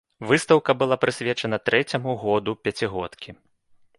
Выстаўка была прысвечана трэцяму году пяцігодкі.